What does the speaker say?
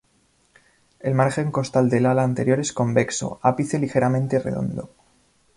El margen costal del ala anterior es convexo, ápice ligeramente redondo.